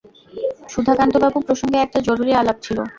সুধাকান্তবাবু প্রসঙ্গে একটা জরুরি আলাপ ছিল।